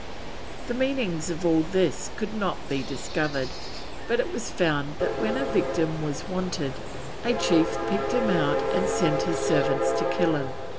The meanings of all this could not be discovered, but it was found that when a victim was wanted, a chief picked him out and sent his servants to kill him.